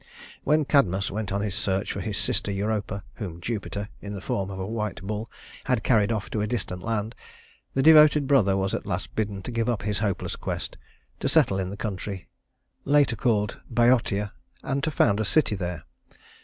When Cadmus went on his search for his sister Europa, whom Jupiter, in the form of a white bull, had carried off to a distant land, the devoted brother was at last bidden to give up his hopeless quest, to settle in the country, later called Bœotia, and to found a city there.